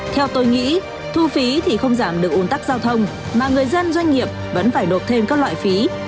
theo tôi nghĩ thu phí thì không giảm được un tắc giao thông mà người dân doanh nghiệp vẫn phải nộp thêm các loại phí